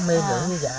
mê thưởng với dạ đó